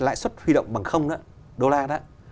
lãi suất huy động bằng không đó đô la đó